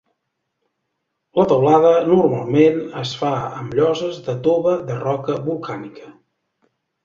La teulada normalment es fa amb lloses de tova de roca volcànica.